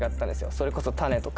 それこそ種とか。